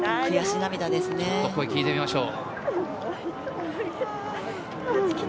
声を聞いてみましょう。